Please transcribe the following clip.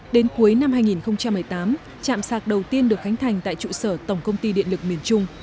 đến cuối năm hai nghìn một mươi tám chạm sạc đầu tiên được khánh thành tại trụ sở tổng công ty điện lực miền trung